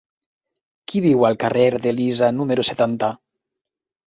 Qui viu al carrer d'Elisa número setanta?